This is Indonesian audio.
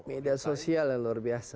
media sosial yang luar biasa